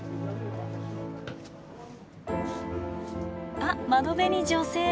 あっ窓辺に女性。